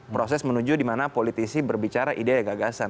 proses menuju dimana politisi berbicara ide dan gagasan